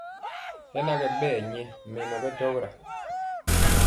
Hɛ na ɓɛɛ nyɛ mɛnɔ ɓɛ dɔra.